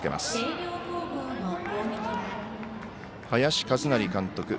林和成監督。